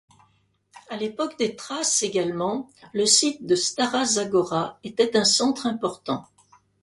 À l'époque des Thraces également, le site de Stara Zagora était un centre important.